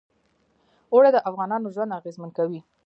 اوړي د افغانانو ژوند اغېزمن کوي.